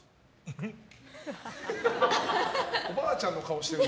おばあちゃんの顔してる。